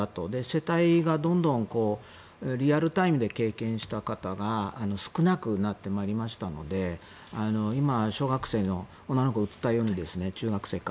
世代がどんどんリアルタイムで経験した方が少なくなってまいりましたので今、小学生の子が映ったように中学生か。